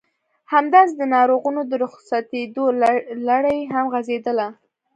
همداسې د ناروغانو د رخصتېدو لړۍ هم غزېدله.